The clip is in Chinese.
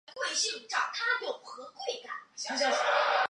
壶穴是在河流上游经常出现的一种地理特征。